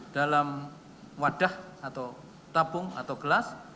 dalam wadah atau tabung atau gelas